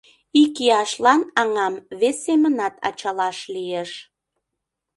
Икияшлан аҥам вес семынат ачалаш лиеш.